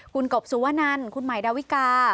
คุณกบสุวนันคุณใหม่ดาวิกา